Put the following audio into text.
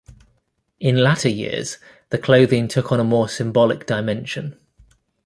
In latter years, the clothing took on a more symbolic dimension.